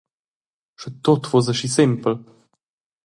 Sche tut fuss aschi sempel.